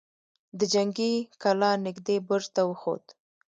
د جنګي کلا نږدې برج ته وخوت.